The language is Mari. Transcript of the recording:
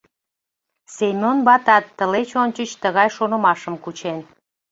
Семён ватат тылеч ончыч тыгай шонымашым кучен.